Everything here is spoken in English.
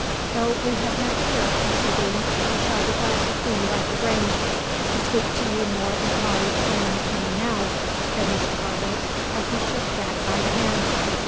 "Though we have met here, Mr Deane, I shall be glad to see you at the Grange, to speak to you more at large than I can now," said Mr Harwood, as he shook Jack by the hand.